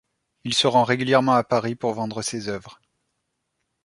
Il se rend régulièrement à Paris pour vendre ses œuvres.